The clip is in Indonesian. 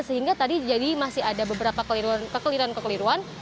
sehingga tadi jadi masih ada beberapa kekeliruan kekeliruan